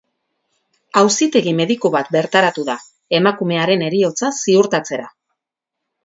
Auzitegi-mediku bat bertaratu da, emakumearen heriotza ziurtatzera.